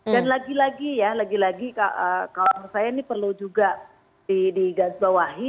dan lagi lagi ya lagi lagi kawan kawan saya ini perlu juga digazbawahi